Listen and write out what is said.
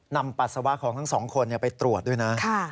ปัสสาวะของทั้งสองคนไปตรวจด้วยนะ